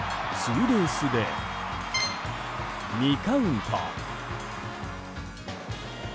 ツーベースで２カウント。